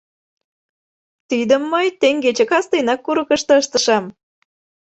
— Тидым мый теҥгече кастенак курыкышто ыштышым.